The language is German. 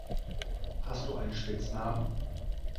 Hast du einen Spitznamen?